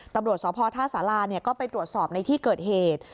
ตำรวจสพท่าสาราก็ไปตรวจสอบในที่เกิดเหตุ